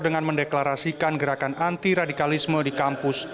dengan mendeklarasikan gerakan anti radikalisme di kampus